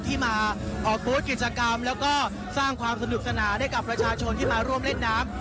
ที่มาออกโพสต์กิจกรรมแล้วก็สร้างความสนุกสนานให้กับประชาชนที่มาร่วมเล่นน้ำ